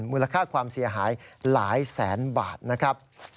มูลค่าความเสียหายหลายแสนบาทนะครับ